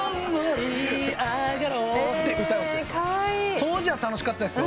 当時は楽しかったっすよ。